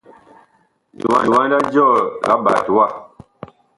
Liwanda jɔɔ la ɓat wa.